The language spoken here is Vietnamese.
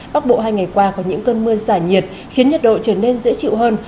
bắc bộ hai ngày qua có những cơn mưa giả nhiệt khiến nhiệt độ trở nên dễ chịu hơn